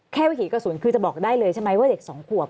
วิถีกระสุนคือจะบอกได้เลยใช่ไหมว่าเด็กสองขวบ